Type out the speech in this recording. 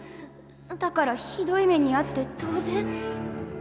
だからひどい目にあって当然？